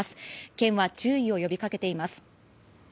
県は注意を呼びかけています。